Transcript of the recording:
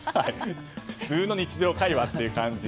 普通の日常会話という感じ。